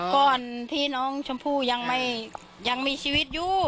ก่อนที่น้องชมพู่ยังไม่ยังมีชีวิตอยู่